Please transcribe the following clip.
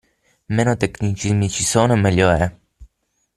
Meno tecnicismi ci sono e meglio è.